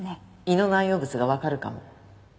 胃の内容物がわかるかも。